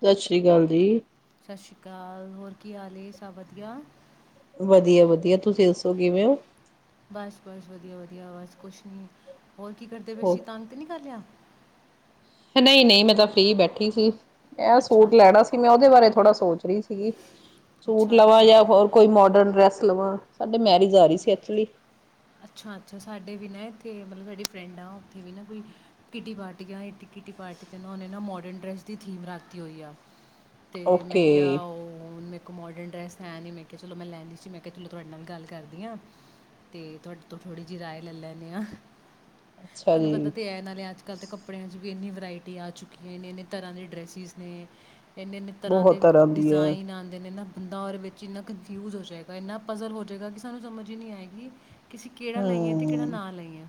ਸਤਿ ਸ੍ਰੀ ਅਕਾਲ ਜੀ ਸਤਿ ਸ੍ਰੀ ਅਕਾਲ ਹੋਰ ਕੀ ਹਾਲ ਸਭ ਵਧੀਆ ਵਧੀਆ ਵਧੀਆ ਤੁਸੀਂ ਦੱਸੋ ਕਿਵੇਂ ਹੋ ਬਸ ਬਸ ਵਧੀਆ ਵਧੀਆ ਔਰ ਕੁਛ ਨੀ ਹੋਰ ਕੀ ਕਰਦੇ ਪੈ ਹੋ ਅਸੀਂ ਤੰਗ ਨਹੀਂ ਕਰ ਲਿਆ ਨਹੀਂ ਨਹੀਂ ਮੈਂ ਤਾਂ ਫ੍ਰਰੀ ਬੈਠੀ ਸੀ। ਐ ਅੱਛਾ ਸੂਟ ਅੱਛਾ ਲੈਣਾ ਸੀ। ਮੈਂ ਉਹਦੇ ਬਾਰੇ ਥੋੜਾ ਸੋਚ ਰਹੀ ਸੀਗੀ ਸੂਟ ਅੱਛਾ ਲਵਾਂ ਅੱਛਾ ਜਾਂ ਹੋਰ ਕੋਈ ਮੋਡਰਨ ਡਰੈਸ ਲਵਾਂ ਸਾਡੇ ਮੈਰਿਜ ਆ ਰਹੀ ਸੀ। ਐਕਚੁਲੀ ਅੱਛਾ, ਅੱਛਾ ਸਾਡੇ ਵੀ ਨਾ ਇੱਥੇ ਮਤਲਬ ਸਾਡੇ ਫਰੈਂਡ ਆ ਉੱਥੇ ਵੀ ਨਾ ਕੋਈ ਕਿਟੀ ਪਾਰਟੀਆਂ ਇੱ ਕਿੱਟੀ ਪਾਰਟੀ ਕਰ ਨਾ ਉਹਨੇ ਨਾ ਮੋਡਰਨ ਡਰੈਸ ਦੀ ਥੀਮ ਰੱਖਦੀ ਹੋਈ ਆ ਤੇ ਮੈਂ ਓਕੇ ਕਿਹਾ ਉਹ ਮੇ ਕੋ ਮੋਡਰਨ ਡਰੈਸ ਹੈ ਨੀ ਮੈਂ ਕਿਹਾ ਚਲੋ ਮੈਂ ਲੈਂਦੀ ਸੀ ਮੈਂ ਕਿਹਾ ਚਲੋ ਤੁਹਾਡੇ ਨਾਲ ਵੀ ਗੱਲ ਕਰਦੀ ਹਾਂ ਅਤੇ ਤੁਹਾਡੇ ਤੋਂ ਥੋੜ੍ਹੀ ਜਿਹੀ ਰਾਏ ਲੈ ਲੈਂਦੇ ਹਾਂ। ਅੱਛਾ ਤੁਹਾਨੂੰ ਪਤਾ ਜੀ ਤੇ ਐ ਨਾਲਿ ਅ ਅੱਜ ਕੱਲ੍ਹ ਤਾਂ ਕੱਪੜਿਆਂ 'ਚ ਵੀ ਇੰਨੀ ਵਰਾਇਟੀ ਆ ਚੁੱਕੀ ਹੈ ਇੰਨੇ ਇੰਨੇ ਤਰ੍ਹਾਂ ਦੇ ਡਰੈਸਿਸ ਨੇ ਇੰਨੇ ਇੰਨੇ ਤਰ੍ਹਾਂ ਦੇ ਬਹੁਤ ਦੀ ਹੈ ਡਿਜ਼ਾਇਨ ਆਉਂਦੇ ਨੇ ਨਾ ਬੰਦਾ ਉਹਦੇ ਵਿੱਚ ਇੰਨਾ ਕਨਫਿਊਜ਼ ਹੋ ਜਾਵੇਗਾ ਇੰਨਾ ਪਜ਼ਲ ਹੋ ਜਾਵੇਗਾ ਕਿ ਸਾਨੂੰ ਸਮਝ ਹੀ ਨਹੀਂ ਆਏਗੀ ਕਿ ਅਸੀਂ ਕਿਹੜਾ ਲਈਏ ਤੇ ਕਿਹੜਾ ਹਮ ਨਾ ਲਈਏ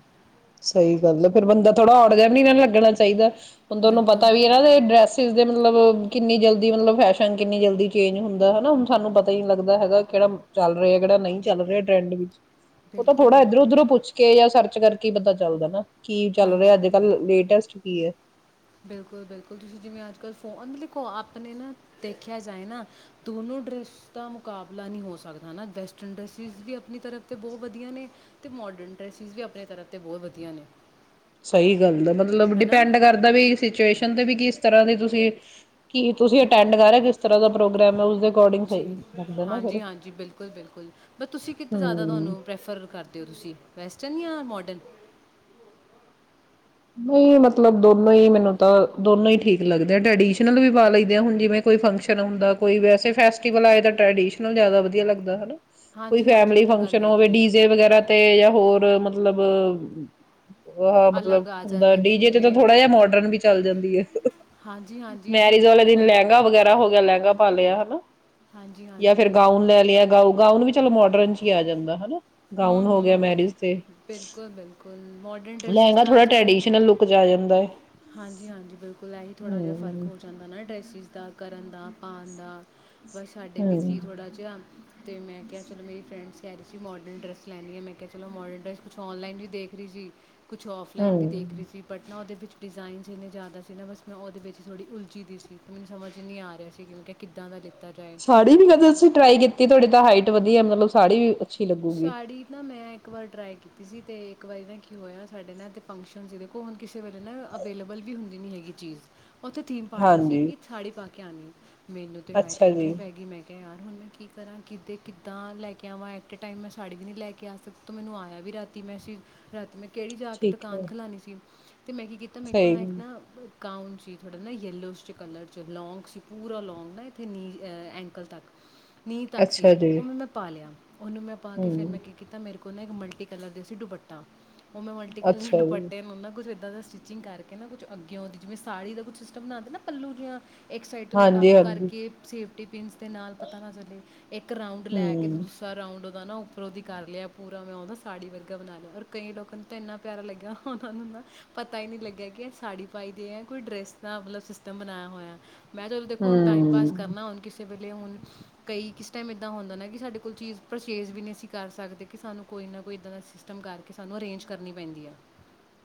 ਸਹੀ ਗੱਲ ਆ ਫੇਰ ਬੰਦਾ ਥੋੜ੍ਹਾ ਔਡ ਜਿਹਾ ਵੀ ਨ ਨਹੀਂ ਇਹਨਾ ਲੱਗਣਾ ਚਾਹੀਦਾ ਹੁਣ ਤੁਹਾਨੂੰ ਬਿਲਕੁਲ ਪਤਾ ਵੀ ਇਹਨਾਂ ਦੇ ਡਰੈਸਿਸ ਮਤਲਬ ਕਿੰਨੀ ਜਲਦੀ ਮਤਲਬ ਫੈਸ਼ਨ ਕਿੰਨੀ ਜਲਦੀ ਚੇਂਜ ਹੁੰਦਾ ਹਨਾ ਹੁਣ ਸਾਨੂੰ ਪਤਾ ਨੀ ਲੱਗਦਾ ਹੈਗਾ ਕਿਹੜਾ ਚੱਲ ਰਿਹਾ ਕਿਹੜਾ ਨਹੀਂ ਚੱਲ ਰਿਹਾ ਟਰੈਂਡ ਵਿੱਚ ਉਹ ਤਾਂ ਬਿਲਕੁਲ ਥੋੜਾ ਇਧਰੋਂ ਬਿਲਕੁਲ ਉੱਧਰ ਪੁੱਛ ਕੇ ਜਾਂ ਸਰਚ ਕਰਕੇ ਬੰਦਾ ਚੱਲਦਾ ਨਾ ਕੀ ਚੱਲ ਰਿਹਾ, ਹਾਂਜੀ ਅੱਜ ਕੱਲ ਲੇਟੈਸਟ ਕੀਏ ਬਿਲਕੁਲ, ਬਿਲਕੁਲ ਤੁਸੀਂ ਜਿਵੇਂ ਅੱਜ ਕੱਲ੍ਹ ਫੋ ਲਖੋ ਆਪਣੇ ਨਾ ਦੇਖਿਆ ਜਾਏ ਨਾ ਦੋਨੋਂ ਡਰੈਸ ਦਾ ਮੁਕਾਬਲਾ ਨਹੀਂ ਹੋ ਸਕਦਾ ਹੈ ਨਾ ਵੈਸਟਰਨ ਡਰੈਸਿਸ ਵੀ ਆਪਣੀ ਤਰਫ 'ਤੇ ਬਹੁਤ ਵਧੀਆ ਨੇ ਅਤੇ ਮੋਡਰਨ ਡਰੈਸਿਸ ਵੀ ਆਪਣੇ ਤਰਫ 'ਤੇ ਬਹੁਤ ਵਧੀਆ ਨੇ ਸਹੀ ਗੱਲ ਆ ਮਤਲਬ ਹੈ ਨਾ ਡਿਪੈਂਡ ਕਰਦਾ ਵੀ ਸਿਚੁਏਸ਼ਨ ਚੁੰਦੇ ਵੀ ਕਿਸ ਤਰ੍ਹਾਂ ਦੇ ਤੁਸੀਂ ਕੀ ਤੁਸੀਂ ਅਟੈਂਡ ਕਰਹੇ ਇਸ ਤਰ੍ਹਾਂ ਦਾ ਪ੍ਰੋਗਰਾਮ ਹੈ ਉਸਦੇ ਅਕੋਰਡਿੰਗ ਜੀ, ਸਹੀ ਲੱਗਦਾ ਨਾ ਹਾਂਜੀ ਫਿਰ ਹਾਂਜੀ ਬਿਲਕੁਲ ਬਿਲਕੁਲ ਬ ਤੁਸੀਂ ਕਿੱਤੇ ਜ਼ਿਆਦਾ ਹਮ ਤੁਹਾਨੂੰ ਪ੍ਰੈਫਰ ਕਰਦੇ ਹੋ ਤੁਸੀਂ ਵੈਸਟਰਨ ਜਾਂ ਮੋਡਰਨ ਨਹੀਂ, ਮਤਲਬ ਦੋਨੋ ਹੀ ਮੈਨੂੰ ਤਾਂ ਦੋਨੋ ਹੀ ਠੀਕ ਲੱਗਦੇ ਟਰਡੀਸ਼ਨਲ ਵੀ ਪਾ ਲਦੇ ਹ ਜਿਵੇ ਕੋਈ ਫੰਕਸ਼ਨ ਹੁੰਦਾ ਕੋਈ ਵੈਸਸ ਟਲਦਾ ਵਧੀਆ ਲੱਗਦਾ ਕੋਈ ਹਾਂਜੀ ਹਾਂਜੀ ਉਹ ਫੈਮਲੀ ਤਾਂ ਗੱਲ ਫੰਕਸ਼ਨ ਹੋਵੇ ਹੈਗੀ ਆ ਡੀਜੇ ਵਗੈਰਾ ਤੇ ਜਾਂ ਹੋਰ ਮਤਲਬ ਉਹ ਮਤਲਬ ਅਲੱਗ ਆ ਜਾਂਦੇ ਨੇ ਡੀ ਜੇ ਤੇ ਜਿਵੇਂ ਥੋੜਾ ਜਿਹਾ ਮੋਡਰਨ ਚਲਦਾ ਜਾਂਦੀ ਹੈ। ਹਾਂਜੀ ਹਾਂਜੀ ਮੈਰਿਜ ਜਿਵੇਂ ਵਾਲੇ ਉਹ ਦਿਨ ਹੁੰਦੀ ਲਹਿੰਗਾ ਵਗੈਰਾ ਹੋ ਲਹਿੰਗਾ ਪਾ ਲਿਆ ਹਨਾ? ਹਾਂਜੀ ਜਾਂ ਹਾਂਜੀ ਫੇਿਰ ਗਾਊਨ ਲੈ ਲਿਆ ਗਾਊ ਗਾਊਨ ਵੀ ਚਲੋ ਮੋਡਰਨ ਚ ਹੀ ਆ ਜਾਂਦਾ ਹਨਾ? ਹੂੰ ਗਾਊਨ ਹੋ ਗਿਆ ਹੂੰ ਮੈਰਿਜ ਤੇ ਬਿਲਕੁਲ-ਬਿਲਕੁਲ ਮੋਡਰਨ ਡ੍ਰਸੀਿਸ ਤਾਂ ਅੱਜ ਕੱਲ੍ਹ ਟ੍ਰੈਡੀਸ਼ਨਲ ਲੁੱਕ ਚ ਆ ਜਾਂਦਾ। ਹੈ ਹਾਂਜੀ ਹਾਂਜੀ ਬਿਲਕੁਲ ਇਹੀ ਥੋੜ੍ਹਾ ਜਿਹਾ ਹਮ। ਫਰਕ ਹੋ ਜਾਂਦਾ ਨਾ ਡਰੈਸਿਸ ਦਾ ਕਰਨ ਦਾ, ਪਾਣ ਦਾ ਬਸ ਸਾਡੇ ਵੀ ਸੀ ਥੋੜ੍ਹਾ ਜਿਹਾ ਤੇ ਮੈਂ ਕਿਹਾ ਚਲੋ ਮੇਰੀ ਫਰੈਂਡਸ ਕਹਿ ਰਹੀ ਸੀ ਮੋਡਰਨ ਡਰੈੱਸ ਲੈਣੀ ਆ ਮੈਂ ਕਿਹਾ ਚਲੋ ਮੋਡਰਨ ਡਰੈੱਸ ਕੁਛ ਔਨਲਾਈਨ ਵੀ ਦੇਖ ਰਹੀ ਸੀ। ਕੁਛ ਔਫਲਾਈਨ ਵੀ ਦੇਖ ਰਹੀ ਹੂੰ-ਹੂੰ। ਸੀ ਪਟਨਾ ਉਹਦੇ ਵਿੱ ਡਿਜ਼ਾਇਨਸ ਇੰਨੇ ਜ਼ਿਆਦਾ ਸੀ ਨਾ ਬਸ ਮੈਂ ਉਹਦੇ ਵਿੱਚ ਥੋੜ੍ਹੀ ਉਲਝੀ ਦੀ ਸੀ ਤੇ ਮੈਨੂੰ ਸਮਝ ਨਹੀਂ ਆ ਰਿਹਾ ਸੀ ਕਿ ਮੈਂ ਕਿਹਾ ਕਿੱਦਾਂ ਦਾ ਲਿ ਸਾੜੀ ਨੀ ਕਦੇੋਂ ਤੁਸੀਂ ਟਰਾਈ ਕੀ ਤੀ। ਕਿ ਤੁਹਾਡੀੇ ਤਾਂ ਹਾਈਟ ਵਧੀਆ ਮਤਲਬ ਸਾੜੀ ਅੱਛੀ ਲੱਗੂਗੀ। ਸਾੜੀ ਨਾ ਮੈਂ ਇੱਕ ਵਾਰ ਟਰਾਈ ਕੀਤੀ ਸੀ ਤੇ ਇੱਕ ਵਾਰੀ ਨਾ ਕੀ ਹੋਇਆ ਸਾਡੇ ਨਾ ਫੰਕਸ਼ਨ ਸੀ। ਦੇਖੋ ਹੁਣ ਕਿਸੇ ਵੇਲੇ ਨਾ ਅਵੇਲੇਬਲ ਵੀ ਹੁੰਦੀ ਨੀ ਹੈਗੀ ਚੀਜ਼। ਉੱਥੇ ਥੀਮ ਪਾਰਟੀ ਸੀ ਹਾਂਜੀ ਕਿ ਸੜੀ ਪਾ ਕੇ ਆਾਨੀ। ਮੈਨੂੰ ਤਾਂ ਹਾਏ ਅੱਛਾ ਜੀ। ਟੈਂਨਸ਼ਨ ਪੈ ਗਈ ਮੈਂ ਕਿਹਾ ਯਾਰ ਹੁਣ ਮੈਂ ਕੀ ਕਰਾਂ ਕਿੱਦੇ ਕਿੱਦਾਂ ਲੈ ਕੇ ਆਵਾਂ ਐ। ਏਟ ਏ ਟਾਈਮ ਮੈਂ ਸਾੜੀ ਵੀ ਨਹੀਂ ਲੈ ਕੇ ਆ ਸਕ ਤੇ ਮੈਨੂੰ ਆਇਆ ਵੀ ਰਾਤੀ ਮੈਂ ਰਾਤੀ ਮੈਸੇਜ, ਰਾਤ ਮੈਂ ਕਿਹੜੀ ਜਾ ਕੇ ਠੀਕ ਦੁਕਾਨ ਹੈ ਖਿਲਾਨੀ ਸੀ। ਅਤੇ ਮੈਂ ਕੀ ਕੀਤਾ ਮੇਰੇ ਕੋਲ ਇੱਕ ਸਹੀ ਨਾ ਬ ਕਾਊਂਨ ਸੀ ਥੋੜ੍ਹਾ ਨਾ ਯੈਲੋ 'ਚ ਕਰ 'ਚ, ਲੋਂਂਗ ਸੀ ਪੂਰਾ ਲਾਂਗ ਨਾ ਇਥ ਨੀ ਐਂਕਲ ਤੱਕ ਨੀਂਹ ਤੱਕ ਸੀ ਅੱਛਾ ਜੀ ਉਹਨੂੰ ਮੈਂ ਪਾ ਲਿਆ। ਉਹਨੂੰ ਮੈਂ ਪਾ ਕੇ ਫਿਰ ਮੈਂ ਹੂੰ ਕੀ ਕੀਤਾ ਮੇਰੇ ਕੋਲ ਓਹ ਨਾ ਇੱਕ ਮਲਟੀ ਕਲਰ ਦੀ ਸੀ ਦੁਪੱਟਾ ਉਹ ਮੇ ਮਲਟੀ ਕਲਰ ਦੇ ਅੱਛਾ ਜੀ ਦੁਪੱਟੇ ਨੂੰ ਨਾ ਕੁਛ ਇੱਦਾ ਸਟਿਚਿੰਗ ਕਰਕੇ ਨਾ ਕੁਛ ਅੱਗੇਓ ਦੀ ਜਿਵੇਂ ਸਾੜੀ ਦਾ ਕੁਛ ਸਿਸਟਮ ਬਣਾਉਂਦੇ ਨਾ ਪੱਲੂ ਜਿਹਾ ਇੱਕ ਸਾਈਡ ਨੂੰ ਟੱਕ ਹਾਂਜੀ-ਹਾਂਜੀ ਕਰਕੇ ਸੇਫ ਪਿੰਸ ਦੇ ਨਾਲ ਪਤਾ ਨਾ ਚੱਲੇ ਇੱਕ ਰਾਊਂਡ ਲੈ ਕੇ ਦੁ ਰਾਊਂਡ ਉਹਦਾ ਨਾ ਉੱਪਰ ਉਹਦੀ ਕਰ ਲਿਆ ਪੂਰਾ ਮੈਂ ਉਹਦਾ ਸਾੜੀ ਵਰਗਾ ਬਣਾ ਲਿਆ ਔਰ ਕਈ ਲੋਕਾਂ ਨੂੰ ਤਾਂ ਇੰਨਾ ਪਿਆਰਾ ਲੱਗਿਆ ਉਹਨਾਂ ਨੂੰ ਨਾ ਪਤਾ ਹੀ ਨਹੀਂ ਲੱਗਿਆ ਕਿ ਸਾੜੀ ਪਾਈ ਦੇ ਆ ਕੋਈ ਡਰੈਸ ਦਾ ਮਤਲਬ ਸਿਸਟਮ ਬਣਾਇਆ ਹੋਇਆ ਮੈਂ ਚਲੋ ਦੇਖੋ ਹੁਣ ਟਾਈਮ ਪਾਸ ਹੂੰ-ਹੂੰ। ਕਰਨਾ ਹੁਣ ਕਿਸੇ ਵੇਲੇ ਹੁਣ ਕਈ ਕਿਸ ਟਾਈਮ ਏਦਾਂ ਹੁੰਦਾ ਨਾ ਕਿ ਸਾਡੇ ਕੋਈ ਚੀਜ਼ ਪਰਚੇਜ਼ ਵੀ ਨਹੀਂ ਅਸੀਂ ਕਰ ਸਕਦੇ ਕਿ ਸਾਨੂੰ ਕੋਈ ਨਾ ਕੋਈ ਇੱਦਾਂ ਦਾ ਸਿਸਟਮ ਕਰਕੇ ਸਾਨੂੰ ਅਰੇਂਜ ਕਰਨੀ ਪੈਂਦੀ ਆ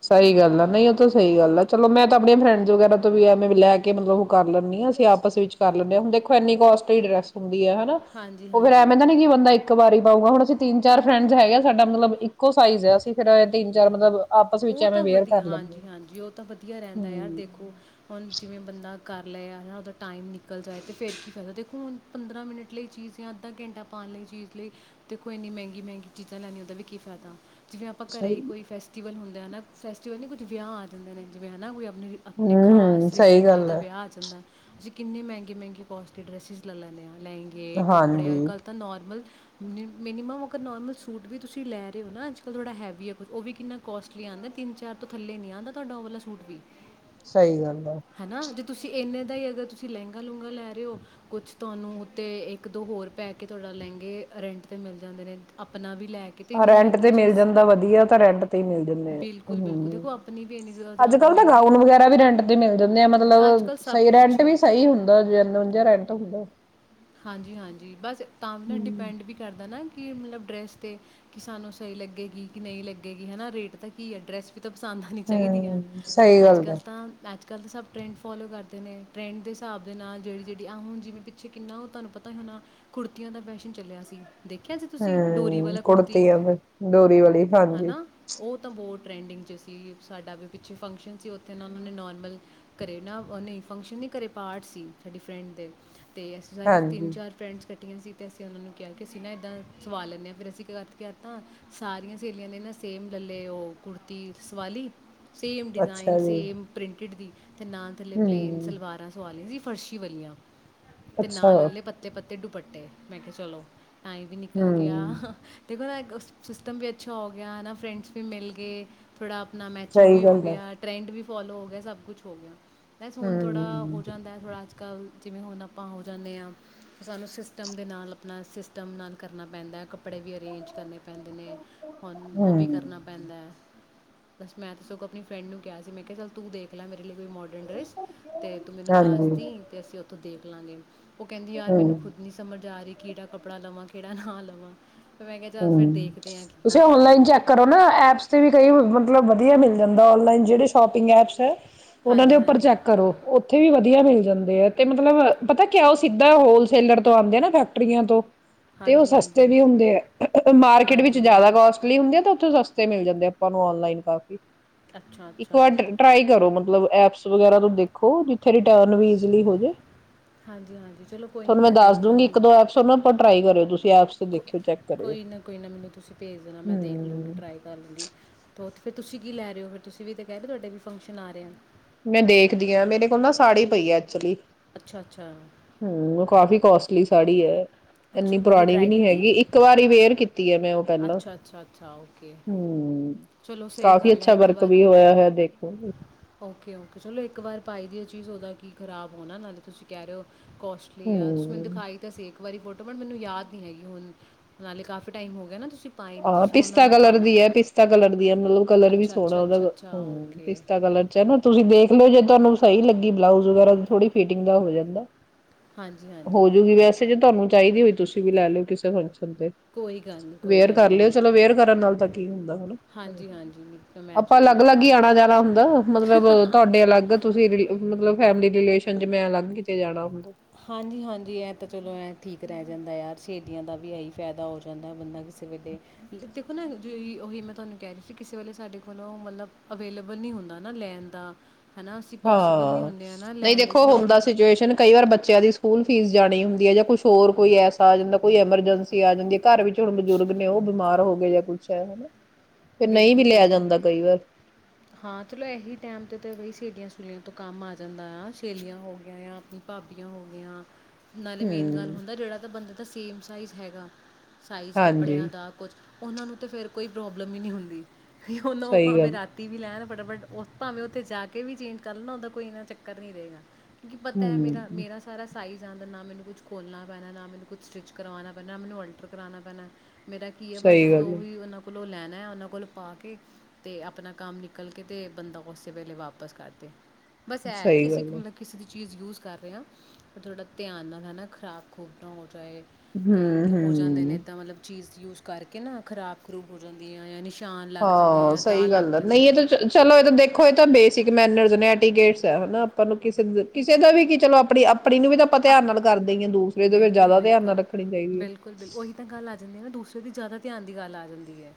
ਸਹੀ ਗੱਲ ਆ ਨਹੀਂ ਉਹ ਤਾਂ ਸਹੀ ਗੱਲ ਆ ਚਲੋ ਮੈਂ ਤਾਂ ਆਪਣੀਆਂ ਫਰੈਂਡਸ ਵਗੈਰਾ ਤੋਂ ਵੀ ਐਵੇ ਵੀ ਲੈ ਕੇ ਮਤਲਬ ਉਹ ਕਰ ਲੈਂਦੀ ਆਾ ਅਸੀਂ ਆਪਸ ਵਿੱਚ ਕਰ ਲੈਂਦੇ ਹਾਂ ਹੁਣ ਦੇਖੋ ਐੰਨੀ ਕੋਸਟਲੀ ਡਰੈਸ ਹਦੀ ਹਨਾ ਹਾਂਜੀ ਉਹ ਫੇਰ ਐ ਹਾਂਜੀ ਤਾਨੀ ਕਿ ਬੰਦਾ ਇੱਕ ਵਾਰੀ ਪਾਊਗਾ ਹੁਣ ਅਸੀਂ ਤਿੰਨ ਚਾਰ ਫਰੈਂਡਸ ਹੈਗੇ ਸਾਡਾ ਮਤਲਬ ਇੱਕੋ ਸਾਈਜ਼ ਆ ਅਸੀਂ ਫਰ ਤਿੰਨ ਚਾਰ ਮਤਲਬ ਆਪਸ ਵਿੱਚ ਉਹ ਐਵੇਂ ਤਾਂ ਵੇਅਰ ਵਧੀਆ ਕਰ ਲੈਂਦੇ ਹਾਂਜੀ ਹਾਂ ਹਾਂਜੀ ਉਹ ਤਾਂ ਵਧੀਆ ਰਹਿੰਦਾ ਯਾਰ ਦੇਖੋ ਹਮ ਹੁਣ ਜਿਵੇਂ ਬੰਦਾ ਕਰ ਲੈ ਉਹਦਾ ਟਾਈਮ ਨਿਕਲ ਜਾਏ ਤੇ ਫਿਰ ਕੀ ਫਾਇਦਾ ਦੇਖੋ ਹੁਣ ਪੰਦਰਾਂ ਮਿੰਟ ਲਈ ਚੀਜ਼ ਜਾਂ ਅੱਧਾ ਘੰਟਾ ਪਾਉਣ ਲਈ ਚੀਜ਼ ਲਈ ਦੇਖੋ ਇੰਨੀ ਮਹਿੰਗੀ ਮਹਿੰਗੀ ਚੀਜ਼ਾਂ ਲੈਣੀਆਂ ਉਹਦਾ ਵੀ ਕੀ ਫਾਇਦਾ ਜਿਵੇਂ ਆਪਾਂ ਘਰ ਸਹੀ ਹੀ ਕੋਈ ਫੈਸਟੀਵਲ ਹੁੰਦਾ ਹਨਾ ਫੈਸਟੀਵਲ ਨੀ ਕੁੱਝ ਵਿਆਹ ਆ ਜਾਂਦੇ ਨੇ ਜਿਵੇਂ ਹਨਾ ਕੋਈ ਆਪ ਆਪਣੇ ਹਮ ਹਮ ਖਾਸ ਸਹੀ ਰਿਸ਼ਤੇਦਾਰ ਗੱਲ ਦਾ ਹੈ ਵਿਆਹ ਆ ਜਾਂਦਾ ਅਸੀਂ ਕਿੰਨੇ ਮਹਿੰਗੇ ਮਹਿੰਗੇ ਕੋਸਟਲੀ ਡਰੈਸਿਿਸ ਲੈ ਲੈਂਦੇ ਹਾਂ ਲਹਿੰਗੇ ਕੱਪੜੇ ਅੱਜ ਹਾਂਜੀ ਕੱਲ੍ਹ ਤਾਂ ਨੋਰਮਲ ਮਿਨੀਮਮ ਅਗਰ ਨੋਰਮਲ ਸੂ ਵੀ ਤੁਸੀਂ ਲੈ ਰਹੇ ਹੋ ਨਾ ਅੱਜ ਕ੍ਹ ਥੋੜ੍ਹਾ ਹੈਵੀ ਆ ਕੁਛ ਉਹ ਵੀ ਕਿੰਨਾ ਕੋਸਟ ਆਉਂਦਾ ਤਿੰਨ, ਚਾਰ ਤੋਂ ਥੱਲੇ ਨੀ ਆਂਦਾ ਤੁਹਾਡਾ ਉਹ ਵਾਲਾ ਸੂਟ ਵੀ ਸਹੀ ਗੱਲ ਹੈ ਹਨਾ ਜੇ ਤੁਸੀਂ ਇੰਨੇ ਦਾ ਹੀ ਅਗਰ ਤੁਸੀਂ ਲਹਿੰਗਾ ਲੂੰਗਾ ਲੈ ਰਹੇ, ਹੋ ਕੁਛ ਤੁਹਾਨੂੰ ਉੱਤੇ ਇੱਕ ਦੋ ਹੋਰ ਪੈ ਕੇ ਤੁਹਾਡਾ ਲਹਿੰਗੇ ਰੈਂਟ 'ਤੇ ਮਿਲ ਜਾਂਦੇ ਨੇ ਆਪਣਾ ਵੀ ਲੈ ਕੇ ਤੇ ਇੰਨੀ ਰੈਂਟ ਮਹਿੰਗੀ ਤੇ ਮਿਲ ਚੀਜ਼ ਜਾਂਦਾ ਵਧੀਆ ਤਾਂ ਰੈਂਟ ਤੇ ਮਿਲ ਬਿਲਕੁਲ ਬਿਲਕੁਲ ਦੇਖੋ ਆਪਣੀ ਵੀ ਇੰਨੀ ਜ਼ਿਆਦਾ ਅੱਜ ਜ਼ਿਆਦਾ ਕਲ ਤਾਂ ਮਹਿੰਗੀ ਗਾਊਨ ਵਗੈਰਾ ਵੀ ਰੈਂਟ ਤੇ ਮਿਲ ਜਾਂਦੇ ਆ ਮਤਲਬ, ਅੱਜ-ਕੱਲ੍ਹ ਸਭ ਸਹੀ ਕੁਛ ਰੈਂਟ ਵੀ ਸਹੀ ਹੁੰਦਾਨਵੰਜਾ ਰੈਂਟ ਹੁੰਦਾ ਹਾਂਜੀ ਹਾਂਜੀ ਬਸ ਤਾਂ ਵੀ ਨਾ ਹੂੰ। ਡਿਪੈਂਡ ਵੀ ਕਰਦਾ ਨਾ ਕੀ ਮਤਲਬ ਡਰੈਸ 'ਤੇ ਕਿ ਸਾਨੂੰ ਸਹੀ ਲੱਗੇਗੀ ਕਿ ਨਹੀਂ ਲੱਗੇਗੀ ਹੈ‌ਨਾਰੇਟ ਤਾਂ ਕੀ ਹੈ ਡਰੈਸ ਪਸੰਦ ਹੋਣੀ ਚਾਹੀਦੀਆਂ ਹੂੰ ਸਹੀ ਅੱਜ ਗੱਲ ਕੱਲ ਹੈ ਤਾਂ ਅ ਅੱਜੱਲ ਤਾਂ ਸਭ ਟਰੈਂਡ ਫੋਲੋ ਕਰਦੇ ਨੇ ਟਰੈਂਡ ਦੇ ਹਿਸਾਬ ਦੇ ਨਾਲ ਜਿਹੜੀ ਜਿਹੜੀ ਆ ਹੁਣ ਜਿਵੇਂ ਪਿੱਛੇ ਕਿੰਨਾ ਉਹ ਤੁਹਾਨੂੰ ਪਤਾ ਹੀ ਹੋਣਾ ਕੁੜਤੀਆਂ ਦਾ ਫੈਸ਼ਨ ਚੱਲਿਆ ਸੀ ਦੇਖਿਆ ਸੀ ਤੁਸੀਂ? ਡੋਰੀ ਹਮ ਵਾਲਾ ਕੁੜਤੀ। ਕੁੜਤੀਆਂ ਤੇ ਡੋਰੀ ਵਾਲੀ ਹਾਂਜੀ ਟਰੈਂਡਿੰਗ 'ਚ ਸੀ ਸਾਡਾ ਵੀ ਪਿੱਛੇ ਫੰਕਸ਼ਨ ਸੀ ਉੱਥੇ ਨਾ ਉਹਨਾਂ ਨੇ ਨੋਰਮਲ ਕਰੇ ਨਾ ਉਹ ਨਹੀਂ ਫੰਕਸ਼ਨ ਨਹੀਂ ਘਰੇ ਪਾਰਟ ਸੀ ਸਾਡੀ ਫਰੈਂਡ ਦੇ ਤੇਸੀ ਸਾਰੀ ਤਿੰਨ ਹਾਂਜੀ ਚਾਰ ਫਰੈਂਡਸ ਸੀ ਤੇ ਅਸੀਂ ਉਹਨਾਂ ਨੂੰ ਕਿਹਾ ਕਿ ਅਸੀਂ ਨਾ ਇਏਦਾਂ ਸਵਾ ਲੈਂਦੇ ਹਾਂ ਫਿਰ ਅਸੀਂ ਕਰਕੇ ਤਾਂ ਸਾਰੀਆਂ ਸਹੇਲੀਆਂ ਨੇ ਨਾ ਸੇਮ ਲੈ ਲੇ ਉਹ ਕੁੜਤੀ ਸਵਾ ਲਈ ਸੇਮ ਡਿਜ਼ਾਇਨ ਅੱਛਾ ਜੀ ਸੇਮ ਪ੍ਰਿੰਟਡ ਦੀ ਤੇ ਨਾ ਥੱਲੇ ਪਲੇਨ ਹੂੰ ਸਲਵਾਰਾਂ ਸਆਲੀਆਂ ਸੀ ਫਰਸ਼ੀ ਵਲੀਆਂ ਤੇ ਅੱਛਾ ਨਾਲ ਲੇ ਪੱਤੇ ਪੱ ਅਤੇ ਦੁਪੱਟੇ ਮੈਂ ਕਿਹਾ ਚਲੋ ਏ ਵੀ ਨਿਕਲ ਗਿਆ ਹੂੰ। ਦੇਖੋ ਨਾ ਸਿਸਟਮ ਵੀ ਅੱਛਾ ਹੋ ਗਿਆ, ਨਾ ਫਰੈਂਡਸ ਵੀ ਮਿਲ ਗਏ ਥੋੜ੍ਹਾ, ਆਪਣਾ ਮੈਚਿੰਗ ਸਹੀ ਵੀ ਹੋ ਗੱਲ ਹੈ ਗਿਆ, ਟਰੈਂਡ ਵੀ ਫੋਲੋ ਹੋ ਗਿਆ, ਸਭ ਕੁਛ ਹੋ ਗਿਆ ਬਸ ਹੁਣ, ਥੋੜਾ ਹੋ ਹੂੰ ਜਾਂਦਾ ਥੋੜਾ ਕੱਲ, ਜਿਵੇਂ ਹੁਣ [unintelligible] ਆਪਾਂ ਹੋ ਜਾਂਦੇ ਹਾਂ, ਸਾਨੂੰ ਸਿਸਟਮ ਦੇ ਨਾਲ ਆਪਣਾ ਸਿਸਟਮ ਨਾਲ ਕਰਨਾ ਪੈਂਦਾ ਕੱਪ ਕੱਪੜੇ ਵੀ ਅਰੇਂਜ ਕਰਨੇ ਪੈਂਦੇ ਨੇ, ਹੁਣ ਉਹ ਵੀ ਹੂੰ। ਕਰਨਾ ਪੈਂਦਾ ਬਸ, ਮੈਂ ਤਾਂ ਸਗੋਂ ਆਪਣੀ ਫਰੈਂਡ ਨੂੰ ਕਿਹਾ ਸੀ ਮੈਂ ਕਿਹਾ ਚੱਲ ਤੂੰ ਦੇਖ ਲੈ ਮੇ ਲਈ ਕੋਈ ਮੋਡਰਨ ਡਰੈੱਸ, ਤੇ ਤੂੰ ਮੈਨੂੰ ਹਾਂਜੀ ਦੱਸਦੀ ਤੇ ਅਸੀਂ ਉੱਥੋਂ ਦੇ ਪਲੈਨਿੰਗ ਉਹ ਕਹਿੰਦੀ ਯਾਰ, ਮੈਨੂੰ ਹੂੰ। ਖੁਦ ਨਹੀਂ ਸਮਝ ਆ ਰਹੀ ਕਿਹੜਾ ਕੱਪੜਾ ਲਵਾਂ ਕਿਹੜਾ ਨਾਂ ਲਵਾਂ ਫਿਰ ਮੈਂ ਕਿਹਾ ਚੱਲ ਹਮ, ਫਿਰ ਦੇਖਦੇ ਹਾਂ ਕਿੱਦਾਂ ਤੁਸੀਂ ਕਰਨਾ ਔਨਲਾਈਨ ਚੈੱਕ ਕਰੋ ਨਾ ਐਪਸ ਤੇ ਵੀ ਕਈ ਮਤਲਬ ਵਧੀਆ ਮਿਲ ਜਾਂਦਾ ਔਨਲਾਈਨ, ਜਿਹੜੇ ਸ਼ੋਪਿੰਗ ਐਪਸ ਅ ਉਹਨਾਂ ਦੇ ਹਾਂਜੀ ਉੱਪਰ ਹਾਂਜੀ ਚੈੱਕ ਕਰੋ, ਉਥੇ ਇਥੇ ਵੀ ਵਧੀਆ ਮਿਲ ਜਾਂਦੇ ਆ ਤੇ ਮਤਲਬ ਪਤਾ ਕਿਆ, ਉਹ ਸਿੱਧਾ ਹੋਲਸੇਲਰ ਤੋਂ ਆਉਂਦੇ ਆ ਨਾ ਫੈਕਟਰੀਆਂ ਤੋਂ ਤੇ, ਉਹ ਹਾਂਜੀ ਸਸਤੇ ਹਾਂਜੀ ਵੀ ਹੁੰਦੇ ਹੈ ਮਾਰਕੀਟ ਹਾਂਜੀ ਵਿੱਚ ਜ਼ਿਆਦਾ ਹਾਂਜੀ ਕੋਸਟਲੀ ਹੁੰਦੀ ਤਾਂ, ਉੱਥੇ ਸਸਤੇ ਮਿਲ ਜਾਂਦੇ ਆ, ਆਪਾਂ ਨੂੰ ਔਨਲਾਈਨ ਕਾਫੀ ਅੱਛਾ ਇੱਕ ਅੱਛਾ ਵਾਰ ਟਰਾਈ ਕਰੋ, ਮਤਲਬ ਐਪਸ ਵਗੈਰਾ ਤੋਂ ਦੇਖੋ, ਜ ਥੇ ਰਿਟਰਨ ਵੀ ਇਜੀਲੀ ਹੋ ਜੇ, ਹਾਂਜੀ ਹਾਂਜੀ ਚਲੋ ਕੋਈ ਨਹੀਂ ਤੁਹਾਨੂੰ ਮੈਂ ਦੱਸ ਦੂਗੀ ਦੇਖਾਂਗੀ ਇੱਕ, ਉਹ। ਦੋ ਐਪਸ, ਓਨ੍ਹਾਂ ਉੱਪਰ ਟਰਾਈ ਕਰਿਓ, ਤੁਸੀਂ ਐਪਸ ਕੋ- ਦੇਖਿਓ ਚੈੱਕ ਕਰਿਓ ਕੋਈ ਨਾ ਕੋਈ ਨਾ ਮੈਨੂੰ ਤੁਸੀਂ ਭੇਜ ਦੇਣਾ, ਮੈਂ ਦੇਖ ਲੂਗੀ, ਹਮ ਟਰਾਈ ਕਰ ਲੂੰਗੀ ਫਿਰ ਤੁਸੀਂ ਕੀ ਲੈ ਰਹੇ ਹੋ, ਫਿਰ ਤੁਸੀਂ ਵੀ ਤਾਂ ਕਿਹਾ, ਤੁਹਾਡੇ ਵੀ ਫੰਕਸ਼ਨ ਆ ਰਿਹਾ ਮੈਂ ਦੇਖਦੀ ਆ, ਮੇਰੇ ਕੋਲ ਨਾ ਸਾੜੀ ਪਈ ਆ, ਐਕਚੁਲੀ ਅੱਛਾ ਅੱਛਾ ਹਮ, ਉਹ ਕਾਫੀ ਕੋਸਟਲੀ ਸ ਸਾੜੀ ਆ ਇੰਨੀ ਅੱਛਾ ਕਦੀ ਪੁਰਾਣੀ ਵੀ ਟਰਾਈ ਨੀ ਕੀਤੀ ਹੈ? ਹੈਗੀ, ਇੱਕ ਵਾਰ ਵੇਅਰ ਕੀਤੀ ਹੈ, ਮੈਂ ਉਹ ਪਹਿਲਾਂ ਅੱਛਾ ਅੱਛਾ ਅੱਛਾ ਓਕੇ ਹਮ, ਚਲੋ ਸਹੀ ਕਾਫੀ ਗੱਲ ਹੈ ਅੱਛਾ ਇੱਕ ਵਰਕ ਵਾਰ ਵੀ ਹੋਇਆ ਹੋਇਆ ਦੇਖੋ ਓਕੇ ਓਕੇ, ਚਲੋ ਇੱਕ ਵਾਰ ਪਾਈ ਦੀ ਉਹ ਚੀਜ਼, ਉਹਦਾ ਕੀ ਖ਼ਰਾਬ ਹੋਣਾ ਨਾਲੇ ਤੁਸੀਂ ਕਹਿ ਰਹੇ ਹੋ ਕੋਸਟਲੀ ਆ, ਤੁਸੀਂ ਮੈਨੂੰ ਹੂੰ ਦਿਖਾਈ ਤਾਂ ਸੀ ਇ ਵਾਰੀ ਫੋਟੋ, ਬਟ, ਮੈਨੂੰ ਯਾਦ ਨੀ ਹੈਗੀ ਹੁਣ, ਨਾਲੇ ਕਾਫ਼ੀ ਟਾਈਮ ਹੋ ਰਹਿਣਾ ਤੁਸ ਹਾਂ ਪਿਸਤਾ ਕਲਰ ਦੀ ਹੈ ਪਿਸਤਾ ਕਲਰ ਦੀ ਹੈ ਮਤਲਬ ਕਲਰ ਵੀ ਅੱਛਾ ਸੋਹਣਾ ਅੱਛਾ ਉਹਦਾ ਅੱਛਾ ਅੱਛਾ ਹਮ ਓਕੇ ਪਿਸਤਾ ਕਲਰ ਚ ਹੈ ਨਾ ਤੁਸੀਂ ਦੇਖ ਲਿਓ ਜ ਤੁਹਾਨੂੰ ਸਹੀ ਲੱਗੀ ਬਲਾਊਜ਼ ਵਗੈਰਾ ਥੋੜੀ ਫਿਟਿੰਗ ਦਾ ਹੋ ਜਾਂਦਾ ਹਾਂਜੀ ਹਾਂਜੀ ਹੋਜੂਗੀ ਵੈਸੇ ਜੇ ਤੁਹਾਨੂੰ ਚਾਹੀਦੀ ਹੋਈ ਤੁਸੀਂ ਵੀ ਲੈ ਲਿਓ ਕਿਸੇ ਹਣ ਕੋਈ ਗੱਲ ਨਹੀਂੀ ਕੋਈ ਗੱਲ ਕਰ ਨਹੀਂ ਲਿਓ ਉਹ ਚਲੋ ਅੇਅਰ ਕਰਨ ਨਾਲ ਤਾਂ ਕੀ ਹੁੰਦਾ ਹਨਾ ਹਾਂਜੀ ਹਾਂਜੀ ਨਹੀਂ ਤਾਂ ਮੈਂ ਆਪਾਂ ਚਲੋ ਅਲੱਗ ਅਲੱਗ ਹੀ ਆਉਣਾ ਜਾਣਾ ਹੁੰਦਾ ਮਤਲਬ ਤੁਹਾਡੇ ਅਲੱਗ ਤੁਸੀਂ ਮਤਲਬ ਫੈਮਲੀ ਰਿਲੇਸ਼ਨ ਚ ਮੈਂ ਅਲੱਗ ਕਿਤੇ ਜਾਣਾ ਹੁੰਦਾ ਹਾਂਜੀ ਹਾਂਜੀ ਇਹ ਤਾਂ ਚਲੋ ਐ ਠੀਕ ਰਹਿ ਜਾਂਦਾ ਯਾਰ ਸ਼ਹੇਦੀਆਂ ਦਾ ਵੀ ਇਹੀ ਫਾਇਦਾ ਹੋ ਜਾਂਦਾ ਬੰਦਾ ਕਿਸੇ ਵੇਲੇ ਦੇਖੋ ਨਾ ਜ ਉਹੀ ਮੈਂ ਤੁਹਾਨੂੰ ਕਹਿ ਰਹੀ ਸੀ ਕਿਸੇ ਵੇਲੇ ਸਾਡੇ ਕੋਲੋਂ ਮਤਲਬ ਅਵੇਲੇਬਲ ਨਹੀਂ ਹੁੰਦਾ ਨਾ ਲੈਣ ਦਾ ਹੈ ਨਾ ਅਸੀਂ ਪੋਸੀਬਲ ਨਹੀਂ ਹਾਂ ਹੁੰਦੇ ਆ ਨਾ ਨਹੀਂ ਲੈਣ ਲਈ ਦੇਖੋ ਚਲੋ ਹੁੰਦਾ ਬੰਦਾ ਸਿਚੁਏਸ਼ਨ ਕਈ ਵਾਰ ਬੱਚਿਆਂ ਦੀ ਸਕੂਲ ਫੀਸ ਜਾਣੀ ਹੁੰਦੀ ਹੈ ਜਾਂ ਕੁਛ ਹੋਰ ਕੋਈ ਐਸਾ ਆ ਜਾਂਦਾ ਕੋਈ ਐਮਰਜੈਂਸੀ ਆ ਜਾਂਦੀ ਘਰ ਵਿੱਚ ਹੁਣ ਬਜ਼ੁਰਗ ਨੇ ਉਹ ਬਿਮਾਰ ਹੋ ਗਏ ਜਾਂ ਕੁਛ ਹੈ ਹਨਾ ਫਿਰ ਨਹੀਂ ਵੀ ਬਿਲਕੁਲ ਲਿਆ ਬਿਲਕੁਲ ਜਾਂਦਾ ਕਈ ਵਾਰ। ਹਾਂ ਚਲੋ ਇਹੀ ਟੈਮ ਤੇ ਤੇਹੀ ਸੀੀਆਂ ਚਲੀਆਂ ਤੋਂ ਕੰਮ ਆ ਜਾਂਦਾ ਆ ਸੇਲੀਆਂ ਹੋ ਗ ਆ ਆਪਣੀ ਭਾਬੀਆਂ ਹੋ ਗਈਆਂ ਨਾਲੇ ਮੇਨ ਗੱਲ ਹੂੰ ਹੁੰਦਾ ਜਿਹੜਾ ਤਾਂ ਬੰਦੇ ਤਾਂ ਸੇਮ ਸਾਈਜ਼ ਹੈਗਾ ਸਾਈਜ਼ ਹਾਂਜੀ ਕੱਪੜਿਆਂ ਦਾ ਕੁਝ ਉਹਨਾਂ ਨੂੰ ਫਿਰ ਕੋਈ ਪ੍ਰੋਬਲਮ ਲ ਹੀ ਨਹੀਂ ਹੁੰਦੀ ਵੀ ਉਹ ਨਾ ਉਹ ਸਹੀ ਭਾਵੇਂ ਗੱਲ ਰਾਤੀ ਵੀ ਲੈਣ ਫਟਾਫਟ ਭਾਵੇਂ ਉੱਥੇ ਜਾ ਕੇ ਵੀ ਚੇਂਜ ਕਰਨਾਉਦਾ ਕੋਈਨਾ ਚੱਕਰ ਨ ਨਹੀਂ ਰਹੇਗਾ ਕਿ ਪਤਾ ਹੈ ਮਰਾ ਹੂੰ। ਮਰਾ ਸਾਰਾ ਸਾਈਜ਼ ਆਉਂ ਨਾ ਮੈਨੂੰ ਕੁਛ ਖੋਲਣਾ ਪੈਣਾ ਨਾ ਮੈਨੂੰ ਕੁਛ ਸਟਿਚ ਕਰਵਾਉਣਾ ਪੈਣਾ ਨਾ ਮੈਨੂੰ ਅਲਟਰ ਕਰਵਾਉਣਾ ਪੈਣਾ ਮੇਰਾ ਕੀ ਹੈ ਬਸ ਸਹੀ ਗੱਲ ਉਹੀ ਉਹਨਾਂ ਕੋਲ ਲੈਣਾ ਹੈ ਉਹਨਾਂ ਕੋਲ ਪਾ ਕੇ ਤੇ ਆਪਣਾ ਕੰਮ ਨਿਕਲ ਕੇ ਤੇ ਬੰਦਾ ਉਸੇ ਵੇਲੇ ਵਾਪਸ ਕਰ ਦੇ ਬਸ ਇਹ ਕਿ ਸਹੀ ਅਸੀਂ ਗੱਲ ਮਤਲਬ ਕਿਸੇ ਦੀ ਚੀਜ਼ ਯੂਜ਼ ਕਰ ਰਹੇ ਹਾਂ ਪਰ ਥੋੜ੍ਹਾ ਧਿਆਨ ਨਾਲ ਹੈ ਨਾ ਖ਼ਰਾਕ ਖੂਬ ਨਾਲ ਹੋ ਚਾਹੇ ਕਈ ਹੋ ਜਾਂਦੇ ਨੇ ਹੂੰ-ਹੂੰ। ਇੱਦਾਂ ਮਤਲਬ ਚੀਜ਼ ਯੂਜ ਕਰਕੇ ਨਾ ਖ਼ਰਾਬ ਖੂਬ ਪੂਰਦੀਆਂ ਯਾਨੀ ਹਾਂ ਸਹੀ ਗੱਲ ਆ ਨਹੀਂ ਇਹ ਤਾਂ ਚਲੋ ਇਹ ਤਾਂ ਦੇਖੋ ਇਹ ਤਾਂ ਬੇਸਿਕ ਮੈਨਰ ਨੇ ਹਨਾ ਆਪਾਂ ਨੂੰ ਕਿਸੇ ਕਿਸੇ ਦਾ ਵੀ ਕਿ ਚਲੋ ਆਪਣੀ ਆਪਣੀ ਨੂੰ ਵੀ ਆਪਾਂ ਧਿਆਨ ਨਾਲ ਕਰਦੇ ਹੀ ਆ ਦੂਸਰੇ ਦੇ ਫਰ ਬਿਲਕੁਲ ਜ਼ਿਆਦਾ ਧਿਆਨ ਨਾਲ ਬਿਲਕੁਲ ਰੱਖਣੀ ਚਾਹੀਦੀ ਹੈ ਅਤੇਦੀ ਜ਼ਿਆਦਾ ਧਿਆਨ ਦੀ ਗੱਲ ਆ ਜਾਂਦੀ ਹੈ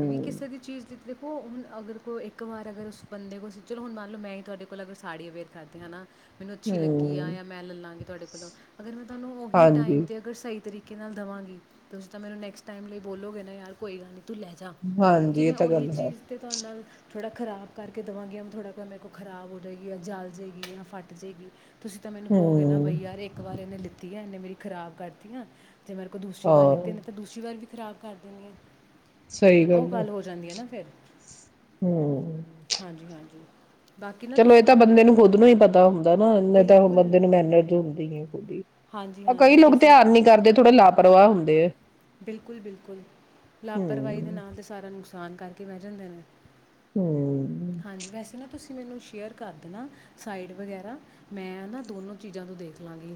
ਵੀ ਵੀ ਕਿਸੇ ਦੀ ਚੀਜ਼ ਦਿੱ ਦੇਖੋ ਹੁਣ ਅਗਰ ਕੋਈ ਇੱਕ ਵਾਰ ਅਗਰ ਉਸ ਬੰਦੇ ਕੋਲ ਚਲੋ ਹੁਣ ਮੰਨ ਲਓ ਮੈਂ ਹੀ ਤੁਹਾਡੇ ਕੋਲ ਅਗਰ ਸਾੜੀ ਅਵੇਅਰ ਕਰਦੇ ਹ ਹੈ ਨਾ ਮੈਨੂੰ ਅੱਛੀ ਲੱਗੀ ਆ ਹਮ ਜਾਂ ਮੈਂ ਲੈ ਲਾਂਗੇ ਤੁਹਾਡੇ ਕੋਲੋਂ ਅਗਰ ਮੈਂ ਤੁਹਾਨੂੰ ਉਹੀ ਟਾਈਮ ਹਾਂਜੀ ਤੇ ਅਗਰ ਸਹੀ ਤਰੀਕੇ ਕਿ ਨਾਲ ਦੇਵਾਂਗੀ ਤੁਸੀਂ ਤਾਂ ਮੈਨੂੰ ਨੈਕਸਟ ਟਾਈਮ ਲਈ ਬੋਲੋਗੇ ਨਾ ਯਾਰ ਕੋਈ ਗੱਲ ਨਹੀਂ ਤ ਲੈ ਜਾ ਜੇ ਹਾਂਜੀ ਇਹ ਮੈਂ ਤਾਂ ਉਹੀ ਗੱਲ ਹੈ ਚੀਜ਼ ਤਾਂਤੇ ਤੁਹਾਡੇ ਨਾਲ ਥੋੜ੍ਹਾ ਖ਼ਰਾਬ ਕਰਕੇ ਦੇਵਾਂਗੀ ਮ ਥੋੜ੍ਹਾ ਕੋ ਮੇਰੇ ਕੋਲ ਖਰਾਬ ਹੋ ਜਾਵੇਗੀ ਜਾਂ ਜਲ ਜਾਵੇਗੀ ਜਾਂ ਫੱਟ ਜਾਵੇਗੀ ਤੁਸੀਂ ਤਾਂ ਮੈਨੂੰ ਹੋ ਗਏ ਨਾ ਹਮ ਬਾਈ ਯਾਰ ਇੱਕ ਵਾਰ ਇਹਨੇਿੱ ਕੀਤੀਤੀਆਂ ਇਹਨੇ ਮਰੀ ਖਰਾਬ ਕਰਦੀਆਂ ਜੇ ਮੇਰੇ ਕੋ ਦੂਸਰੀ ਵਾਰ ਲੇਦੇ ਨੇ ਹਾਂ ਤਾਂ ਦਸਰੀ ਵਾਰ ਵੀ ਖ਼ਰਾਬ ਕਰ ਦਿੰਦੇ ਹ ਸਹੀ ਉਹ ਹੈ ਗੱਲ ਹੋ ਜਾਂਦੀ ਹੈ ਨਾ ਫੇਿਰ ਹਮ ਹਾਂਜੀ ਹਾਂਜੀ ਬਾਕੀ ਨਾ ਚਲੋ ਇਹ ਤੁਸੀਂ ਤਾਂ ਮੈਨੂੰ ਬੰਦੇ ਨੂੰ ਖੁਦ ਨੂੰ ਹੀ ਪਤਾ ਹੁੰਦਾ ਨਾ ਨਹੀਂ ਤਾਂ ਬਿਲਕੁਲ ਬੰਦੇ ਨੂੰ ਮਿਨਤ ਹੁੰਦੀ ਆ ਹਾਂਜੀ ਕਈ ਹਾਂਜੀ ਕਿ ਲੋਕ ਅਸੀਂ ਧਿਆਨ ਨੀ ਕਰਦੇ ਥੋੜਾ ਲਾਪਰਵਾਹ ਹੁੰਦੇ ਅਤੇ ਬਿਲਕੁਲ ਬਿਲਕੁਲ ਲਾਪਰਵਾਹੀ ਦੇ ਹਮ ਨਾਲ ਤੇ ਸਾਰਾ ਨੁਸ ਸਾਨ ਕਰਕੇ ਬਹਿ ਜਾਂਦੇ ਨੇ ਹਮ ਹਾਂਜੀ ਵੈਸੇ ਨਾ ਤੁਸੀਂ ਮੈਨੂੰ ਸ਼ੇਅਰ ਕਰ ਦੇਣਾ ਸਾਈਡ ਵਗੈਰਾ ਮੈਂ ਨਾ ਦੋਨੋ ਚੀਜ਼ਾਂ ਤੋਂ ਦੇਖ ਲਾਂਗੀ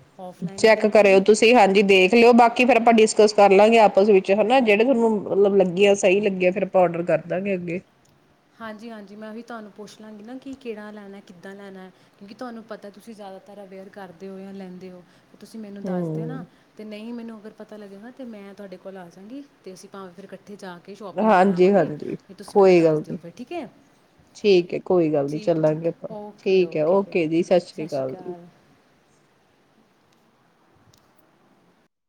ਚੈੱਕ ਕਰਿਓ ਤੁਸੀਂ ਹਾਂਜੀ ਦੇਖ ਲਿਓ ਬਾਕੀ ਫੇਰ ਤੁਹਾਡੀ ਕਸ ਕਰ ਲਾਂਗੇ ਆਪਸ ਵਿੱਚ ਹਨਾ ਜਿਹੜੇ ਤੁਹਾਨੂੰ ਮਤਲਬ ਲੱਗੀਆਂ ਸਹੀ ਲੱਗੀਆਂ ਫਿਰ ਆਪਾਂ ਡਰ ਕਰ ਦਾਂਗੇ ਅੱਗੇ ਹਾਂਜੀ ਹਾਂਜੀ ਮੈਂ ਉਹੀ ਤੁਹਾਨੂੰ ਪੁੱਛ ਲਾਂਗੀ ਨਾ ਕਿ ਕਿਹੜਾ ਲੈਣਾ ਕਿੱਦਾਂ ਲੈਣਾ ਹੈ ਕਿਉਂਕਿ ਤੁਹਾਨੂੰ ਪਤਾ ਤੁਸੀਂ ਜ਼ਿਆਦਾਤਰ ਅਵੇਅਰ ਕਰਦੇ ਹੋ ਜਾਂ ਲੈਂਦੇ ਹੋ ਤੁਸੀਂ ਮੈਨੂੰ ਦੱਸਦੇ ਨਾ ਹੂੰ ਤੇ ਨਹੀਂ ਮੈਨੂੰ ਅਗਰ ਪਤਾ ਲੱਗੇਗਾ ਅਤੇ ਮੈਂ ਤੁਹਾਡੇ ਕੋਲ ਆ ਜਾਵਾਂਗੀ ਅਤੇ ਅਸੀਂ ਭਾਵੇਂ ਫਿਰ ਇਕੱਠੇ ਇੱਥੇ ਜਾ ਕੇ ਸ਼ੋਪਿੰਗ ਕਰ ਹਾਂਜੀ ਆਵਾਂਗੇ ਹਾਂਜੀ ਜ ਤੁਸੀਂ ਮੈਨੂੰ ਕੋਈ ਗੱਲ ਦੱਸ ਦਿਓ ਫਿਰ ਠੀਕ ਹੈ ਠੀਕ ਹੈ ਕੋਈ ਗੱਲ ਨੀ ਠੀਕ ਹੈ ਠੀਕ ਚੱਲਾਂਗੇ ਹੈ ਆਪਾਂ ਓਕੇ ਠੀਕ ਹੈ ਫਿਰ ਓਕੇ ਜੀ ਸਤਿ ਸ੍ਰੀ ਅਕਾਲ ਜੀ